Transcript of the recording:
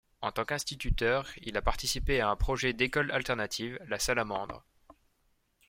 En tant qu’instituteur, il a participé à un projet d'école alternative, La Salamandre.